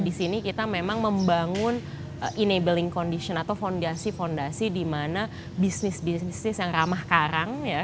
di sini kita memang membangun enabling condition atau fondasi fondasi di mana bisnis bisnis yang ramah karang